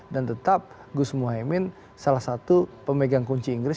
dan tetap gus muhaymin salah satu pemegang kunci inggris